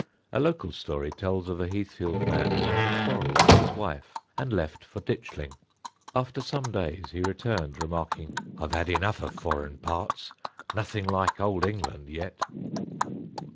A local story tells of a Heathfield man who had a quarrel with his wife and left for Ditchling. After some days he returned, remarking, "I've had enough of furrin parts nothing like old England yet."